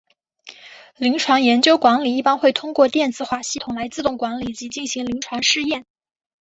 临床研究管理一般会透过电子化系统来自动管理及进行临床试验。